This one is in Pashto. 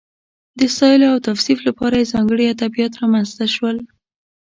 د ستایلو او توصیف لپاره یې ځانګړي ادبیات رامنځته شول.